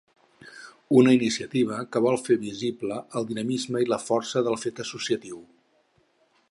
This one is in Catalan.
Una iniciativa que vol fer visible el dinamisme i la força del fet associatiu.